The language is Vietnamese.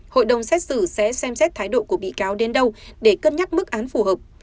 hội đồng xét xử sẽ xem xét thái độ của bị cáo đến đâu để cân nhắc mức án phù hợp